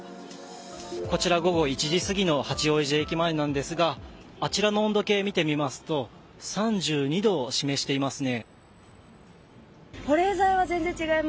こちら、午後１時過ぎの八王子駅前なんですがあちらの温度計を見てみますと３２度を示していますね。